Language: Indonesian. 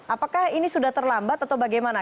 apakah ini sudah terlambat atau bagaimana